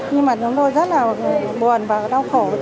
nhưng mà chúng tôi rất là buồn và đau khổ